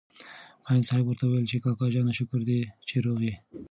معلم صاحب ورته وویل چې کاکا جانه شکر دی چې روغ یې.